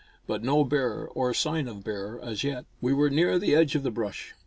But no bear or sign of bear as yet. We were near the edge of the brush.